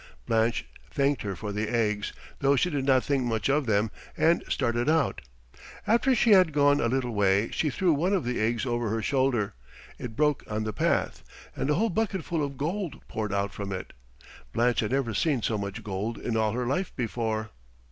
Blanche thanked her for the eggs, though she did not think much of them, and started out. After she had gone a little way she threw one of the eggs over her shoulder. It broke on the path, and a whole bucket full of gold poured out from it. Blanche had never seen so much gold in all her life before.